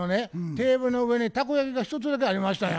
テーブルの上にたこ焼きが１つだけありましたんや。